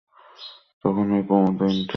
তখনই কুমু তিনটে আংটি খুলে টিপায়ের উপর রাখলে।